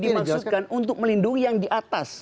turunan itu dimaksudkan untuk melindungi yang di atas